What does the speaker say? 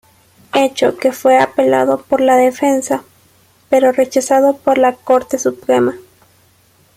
Hecho que fue apelado por la defensa, pero rechazado por la Corte Suprema.